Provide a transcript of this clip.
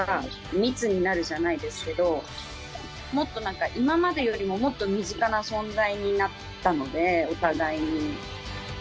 密になるじゃないですけど、もっとなんか、今までよりももっと身近な存在になったので、お互いに。